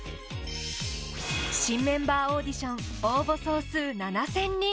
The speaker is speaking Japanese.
新メンバーオーディション応募総数７０００人。